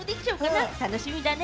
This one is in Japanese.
楽しみだね！